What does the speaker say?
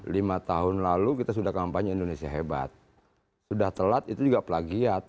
lima tahun lalu kita sudah kampanye indonesia hebat sudah telat itu juga plagiat